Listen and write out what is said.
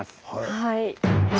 はい。